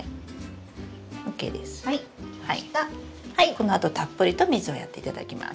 このあとたっぷりと水をやっていただきます。